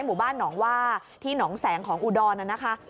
หมู่บ้านหนองว่าที่หนองแสงของอุดรน่ะนะคะ